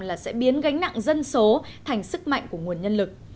là sẽ biến gánh nặng dân số thành sức mạnh của nguồn nhân lực